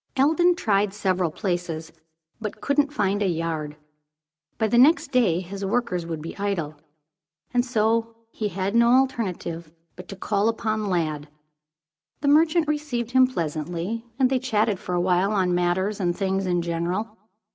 Eldon tried several places, but couldn't find a yard. By the next day, his workmen would be idle; and so he had no alternative but to call upon Lladd. The merchant received him pleasantly; and they chatted for a while on matters and things in general.